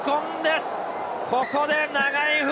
ここで長い笛。